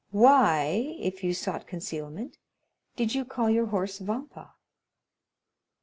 Why, if you sought concealment, did you call your horse Vampa?"